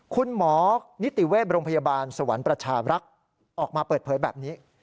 คุณหมอนิติเวชโรงพยาบาลสวรรค์ประชารักษ์ออกมาเปิดเผยแบบนี้